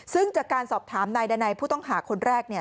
ซึ่งจากการสอบถามนายดานัยผู้ต้องหาคนแรกเนี่ย